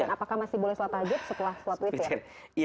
apakah masih boleh sholat tahajud setelah sholat witir